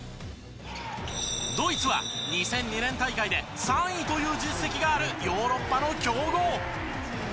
ドイツは２００２年大会で３位という実績があるヨーロッパの強豪。